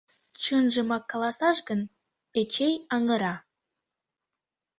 Чынжымак каласаш гын, Эчей аҥыра.